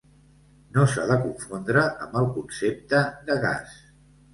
No s'ha de confondre amb el concepte de gas.